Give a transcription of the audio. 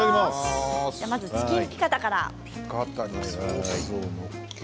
まずはチキンピカタからです。